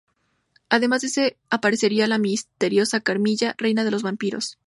Además de eso aparecerá la misteriosa Carmilla, reina de los vampiros.